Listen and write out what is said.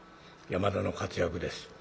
山田の活躍です。